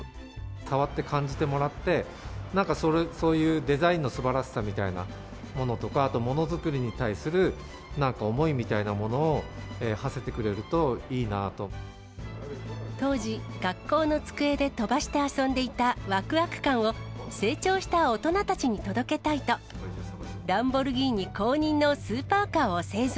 触って感じてもらって、なんかそういうデザインのすばらしさみたいなものとか、ものづくりに対するなんか思いみたいなものをはせてくれるといい当時、学校の机で飛ばして遊んでいたわくわく感を、成長した大人たちに届けたいと、ランボルギーニ公認のスーパーカーを製造。